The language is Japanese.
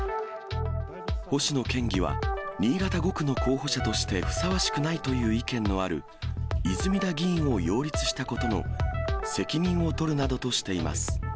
星野県議は、新潟５区の候補者としてふさわしくないという意見のある泉田議員を擁立したことの責任を取るなどとしています。